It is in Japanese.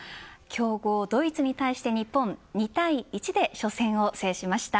強豪ドイツに対して日本２対１で初戦を制しました。